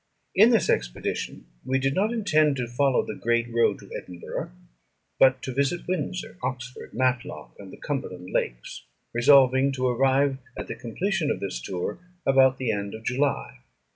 In this expedition we did not intend to follow the great road to Edinburgh, but to visit Windsor, Oxford, Matlock, and the Cumberland lakes, resolving to arrive at the completion of this tour about the end of July.